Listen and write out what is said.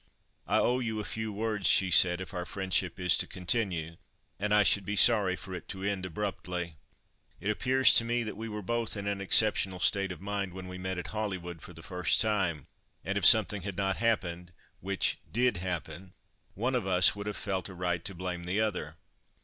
"I owe you a few words," she said, "if our friendship is to continue—and I should be sorry for it to end abruptly. It appears to me that we were both in an exceptional state of mind when we met at Hollywood for the first time, and if something had not happened—which did happen—one of us would have felt a right to blame the other."